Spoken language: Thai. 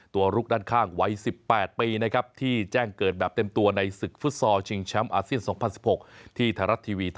ตัวลุกด้านข้างวัย๑๘ปีนะครับที่แจ้งเกิดแบบเต็มตัวในศึกฟุตซอล